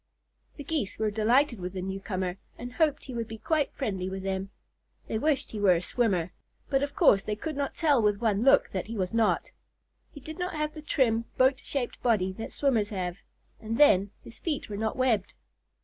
The Geese were delighted with the newcomer, and hoped he would be quite friendly with them. They wished he were a swimmer, but of course they could tell with one look that he was not. He did not have the trim, boat shaped body that swimmers have, and then, his feet were not webbed.